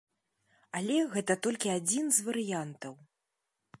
Але гэта толькі адзін з варыянтаў.